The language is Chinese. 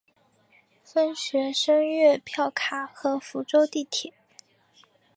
分学生月票卡和福州地铁。